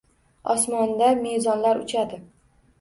Osmonda mezonlar uchadi.